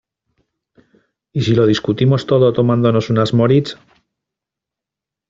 ¿Y si lo discutimos todo tomándonos unas Moritz?